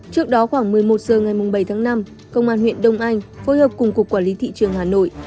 trước đó khoảng một mươi một h ngày bảy tháng năm công an huyện đông anh phối hợp cùng cục quản lý thị trường hà nội